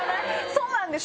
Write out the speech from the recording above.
そうなんですか？